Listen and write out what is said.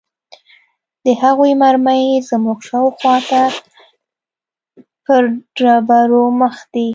د هغوى مرمۍ زموږ شاوخوا ته پر ډبرو مښتې.